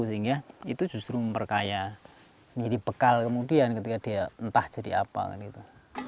sehingga itu justru memperkaya menjadi bekal kemudian ketika dia entah jadi apa kan itu